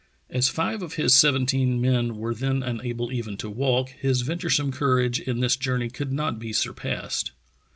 As five of his seventeen men were then unable even to walk, his venturesome courage in this journey could not be surpassed.